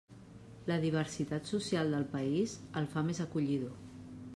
La diversitat social del país el fa més acollidor.